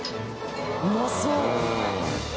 うまそう。